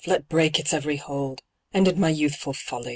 Let break its every hold! Ended my youthful folly!